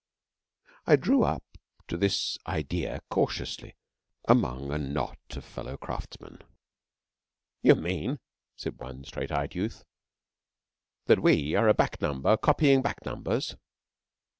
I drew up to this idea cautiously among a knot of fellow craftsmen. 'You mean,' said one straight eyed youth, 'that we are a back number copying back numbers?'